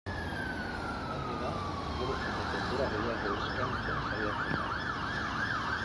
Gainera, geroz eta denbora gehiago eskaintzen saiatzen naiz.